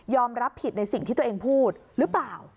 รับผิดในสิ่งที่ตัวเองพูดหรือเปล่า